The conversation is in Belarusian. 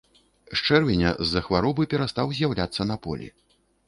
З чэрвеня з-за хваробы перастаў з'яўляцца на полі.